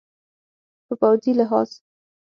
په پوځي لحاظ